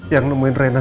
yang nemuin rena